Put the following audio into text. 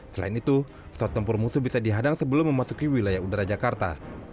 selain itu pesawat tempur musuh bisa dihadang sebelum memasuki wilayah udara jakarta